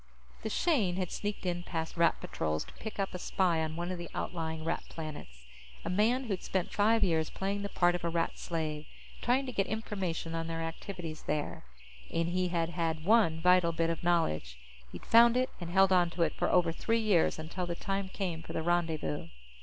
The Shane had sneaked in past Rat patrols to pick up a spy on one of the outlying Rat planets, a man who'd spent five years playing the part of a Rat slave, trying to get information on their activities there. And he had had one vital bit of knowledge. He'd found it and held on to it for over three years, until the time came for the rendezvous.